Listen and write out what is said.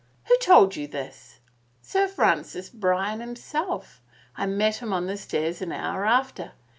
Who told you this?" Sir Francis Bryan himself. I met him on the stairs an hour after.